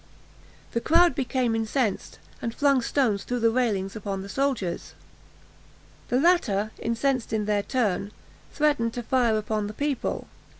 The crowd became incensed, and flung stones through the railings upon the soldiers. The latter, incensed in their turn, threatened to fire upon the people.